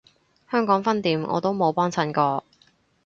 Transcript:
香港分店我都冇幫襯過